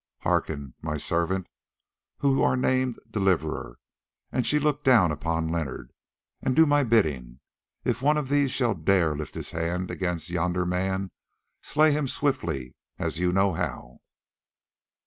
Hearken, my servant, who are named Deliverer," and she looked down upon Leonard, "and do my bidding. If one of these shall dare to lift his hand against yonder man, slay him swiftly as you know how."